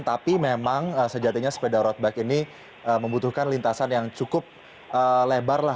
tapi memang sejatinya sepeda road bike ini membutuhkan lintasan yang cukup lebar lah